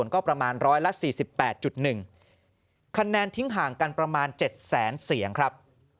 การแนนทิ้งห่างกันประมาณ๗๐๐๐๐๐เสียงครับ